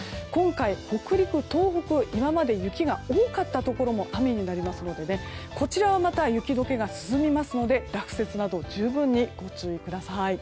今回北陸、東北今まで雪が多かったところも雨になりますのでこちらはまた雪解けが進みますので落雪など十分にご注意ください。